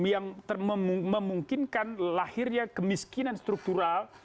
yang memungkinkan lahirnya kemiskinan struktural